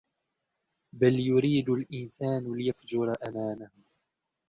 بَلْ يُرِيدُ الإِنسَانُ لِيَفْجُرَ أَمَامَهُ